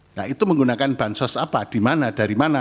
nah itu menggunakan bansos apa di mana dari mana